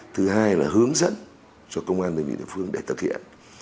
thứ hai là hướng dẫn cho công an đơn vị địa phương để thực hiện